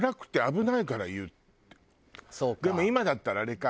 でも今だったらあれか。